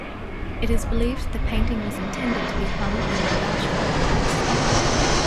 It is believed the painting was intended to be hung over a large fireplace.